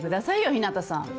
陽向さん。